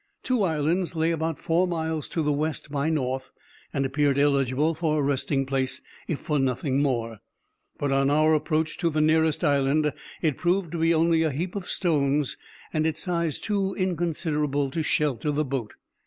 Two islands lay about four miles to the west by north, and appeared eligible for a resting place, if for nothing more; but on our approach to the nearest island, it proved to be only a heap of stones, and its size too inconsiderable to shelter the boat.